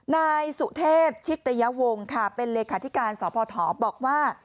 นายสุเทพชิตยวงค่ะเป็นเลขาธิการสพบอกว่า